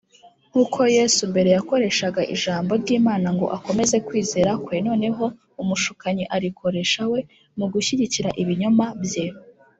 Nkuko Yesu mbere yakoreshaga ijambo ry’Imana ngo akomeze kwizera kwe, noneho umushukanyi arikoresha we mu gushyigikira ibinyoma bye.